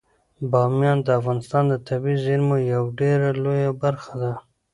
بامیان د افغانستان د طبیعي زیرمو یوه ډیره لویه برخه ده.